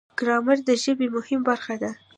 ګرامر د ژبې مهمه برخه ده.